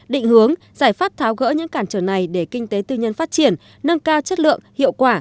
định hướng giải pháp tháo gỡ những cản trở này để kinh tế tư nhân phát triển nâng cao chất lượng hiệu quả